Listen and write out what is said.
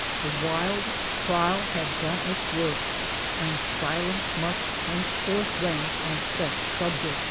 The Wilde trial had done its work ; and silence must henceforth reign on sex subjects.